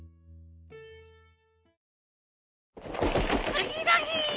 つぎのひ！